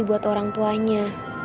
buat orang tuanya